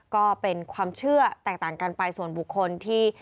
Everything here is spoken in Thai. ก็เป็นความเชื่อแตกต่างกันไปส่วนบุคคลที่